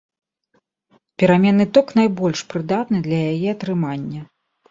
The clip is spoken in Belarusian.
Пераменны ток найбольш прыдатны для яе атрымання.